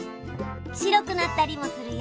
白くなったりもするよ。